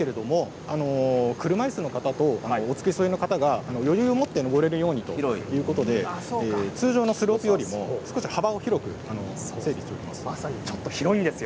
車いすの方と付き添いの方が一緒に上れるようにということで通常のスロープよりも幅を広くしています。